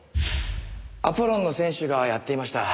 アポロンの選手がやっていました。